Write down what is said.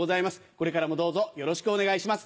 これからもどうぞよろしくお願いします。